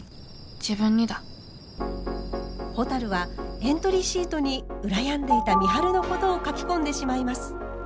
自分にだほたるはエントリーシートに羨んでいた美晴のことを書き込んでしまいます。